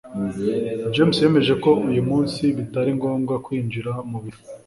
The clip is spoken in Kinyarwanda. james yemeje ko uyu munsi bitari ngombwa kwinjira mu biro